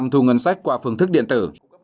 chín mươi tám thu ngân sách qua phương thức điện tử